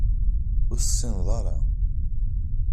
Ur tessineḍ ara.